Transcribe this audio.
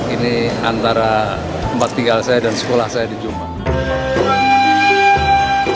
ini antara tempat tinggal saya dan sekolah saya di jombang